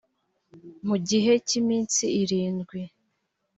mu gihe cy iminsi irindwi